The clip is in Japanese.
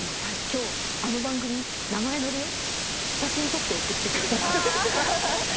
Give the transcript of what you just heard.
「今日あの番組名前載るよ」って言うと写真撮って送ってくれたりとかします。